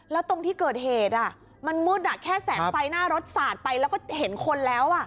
แล้วตรงที่เกิดเหตุมันมืดแค่แสงไฟหน้ารถสาดไปแล้วก็เห็นคนแล้ว